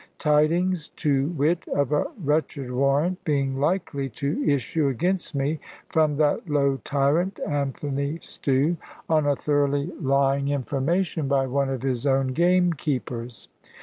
Tidings, to wit, of a wretched warrant being likely to issue against me from that low tyrant Anthony Stew, on a thoroughly lying information by one of his own gamekeepers.